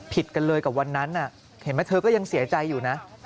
ผิดกันเลยกับวันนั้นเห็นไหมเธอก็ยังเสียใจอยู่นะ